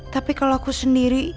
tapi kalau aku sendiri